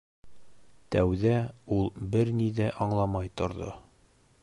Тәүҙә ул бер ни ҙә аңламай торҙо.